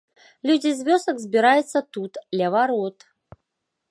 Людзі з вёсак збіраюцца тут, ля варот.